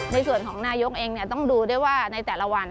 ในส่วนของนายกเองต้องดูด้วยว่าในแต่ละวัน